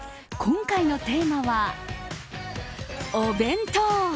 今回のテーマはお弁当。